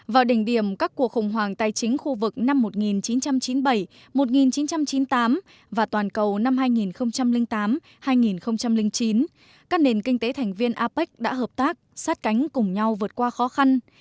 vào đỉnh điểm các cuộc khủng hoảng tài chính khu vực năm một nghìn chín trăm chín mươi bảy một nghìn chín trăm chín mươi tám và toàn cầu năm hai nghìn tám hai nghìn chín các nền kinh tế thành viên apec đã hợp tác sát cánh cùng nhau vượt qua khó khăn